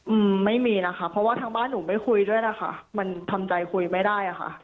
อืมไม่มีนะคะเพราะว่าทางบ้านหนูไม่คุยด้วยนะคะมันทำใจคุยไม่ได้อ่ะค่ะ